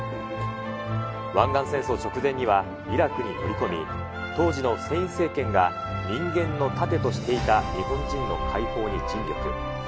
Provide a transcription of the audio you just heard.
湾岸戦争直前にはイラクに乗り込み、当時のフセイン政権が人間の盾としていた日本人の解放に尽力。